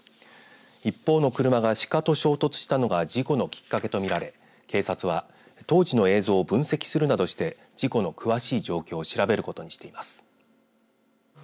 一方の車が鹿と衝突したのが事故のきっかけと見られ警察は当時の映像を分析するなどして事故の詳しい状況を調べることにしています。